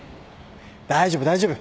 大丈夫大丈夫。